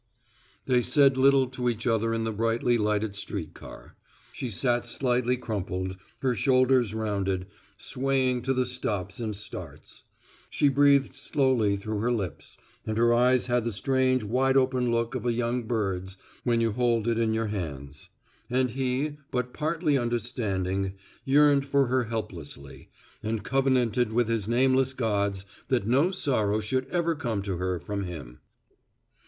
They said little to each other in the brightly lighted street car. She sat slightly crumpled, her shoulders rounded, swaying to the stops and starts. She breathed slowly through her lips, and her eyes had the strange wide open look of a young bird's, when you hold it in your hands. And he, but partly understanding, yearned for her helplessly, and covenanted with his nameless gods that no sorrow should ever come to her from him.